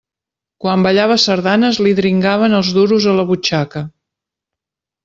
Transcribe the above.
Quan ballava sardanes li dringaven els duros a la butxaca.